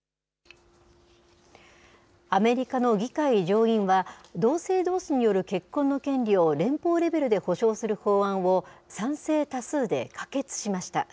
アメリカの議会上院は、同性どうしによる結婚の権利を連邦レベルで保障する法案を賛成多数で可決しました。